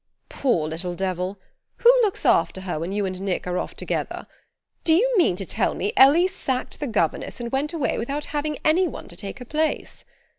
"Poor little devil! Who looks after her when you and Nick are off together? Do you mean to tell me Ellie sacked the governess and went away without having anyone to take her place?"